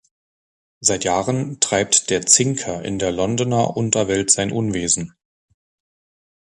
Seit Jahren treibt der „Zinker“ in der Londoner Unterwelt sein Unwesen.